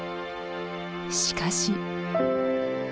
しかし。